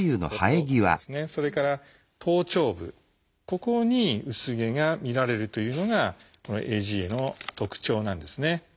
ここに薄毛が見られるというのがこのＡＧＡの特徴なんですね。